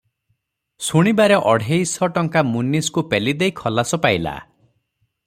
ଶୁଣିବାରେ ଅଢ଼େଇଶ ଟଙ୍କା ମୁନିସ୍କୁ ପେଲିଦେଇ ଖଲାସ ପାଇଲା ।